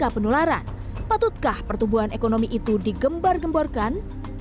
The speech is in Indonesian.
tanpa penularan patutkah pertumbuhan ekonomi itu digembar gemborkan